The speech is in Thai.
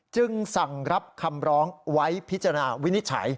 จึงสั่งรับคำร้องไว้พิจารณาวินิจฉัย